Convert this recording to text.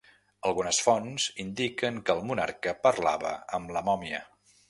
Algunes fonts indiquen que el monarca parlava amb la mòmia.